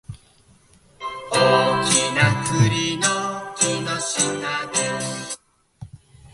大きな栗の木の下で